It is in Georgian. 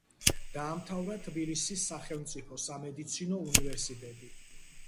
დაამთავრა თბილისის სახელმწიფო სამედიცინო უნივერსიტეტი.